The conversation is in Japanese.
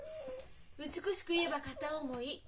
美しく言えば片思い。